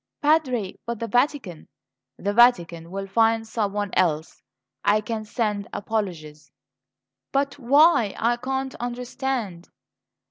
"Padre! But the Vatican " "The Vatican will find someone else. I can send apologies." "But why? I can't understand."